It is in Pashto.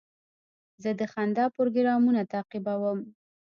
زه د خندا پروګرامونه تعقیبوم.